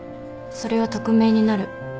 それは匿名になる。